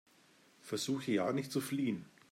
Versuche ja nicht zu fliehen!